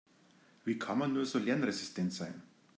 Wie kann man nur so lernresistent sein?